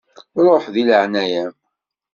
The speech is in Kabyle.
Ruḥ, deg leεnaya-m.